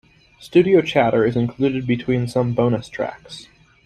Studio chatter is included between some bonus tracks.